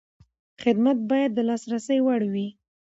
خدمت باید د لاسرسي وړ وي.